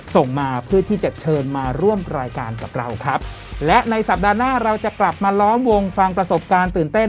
ส่งมาเพื่อที่จะเชิญมาร่วมรายการกับเราครับและในสัปดาห์หน้าเราจะกลับมาล้อมวงฟังประสบการณ์ตื่นเต้น